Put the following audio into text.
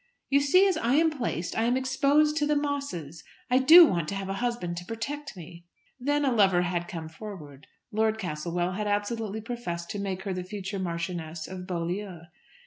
"You see, as I am placed I am exposed to the Mosses. I do want to have a husband to protect me." Then a lover had come forward. Lord Castlewell had absolutely professed to make her the future Marchioness of Beaulieu.